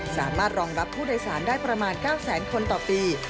สามารถรองรับผู้โดยสารได้ประมาณ๙แสนคนต่อปี